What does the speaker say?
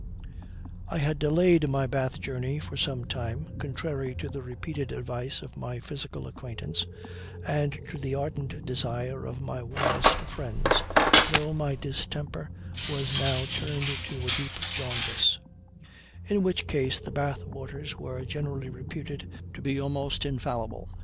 I had delayed my Bath journey for some time, contrary to the repeated advice of my physical acquaintance, and to the ardent desire of my warmest friends, though my distemper was now turned to a deep jaundice; in which case the Bath waters are generally reputed to be almost infallible.